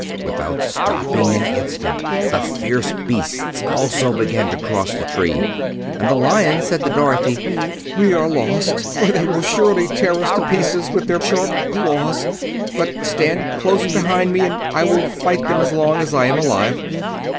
Without stopping an instant the fierce beasts also began to cross the tree. And the Lion said to Dorothy: "We are lost, for they will surely tear us to pieces with their sharp claws. But stand close behind me, and I will fight them as long as I am alive."